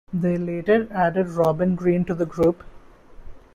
They later added Robin Green to the group.